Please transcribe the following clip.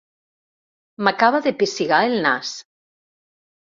M'acaba de pessigar el nas.